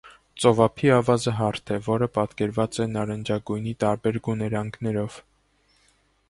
Ծովափի ավազը հարթ է, որը պատկերված է նարնջագույնի տարբեր գուներանգներով։